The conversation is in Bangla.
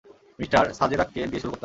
মিস্টার সাজেরাককে দিয়ে শুরু করতাম।